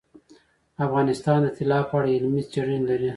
افغانستان د طلا په اړه علمي څېړنې لري.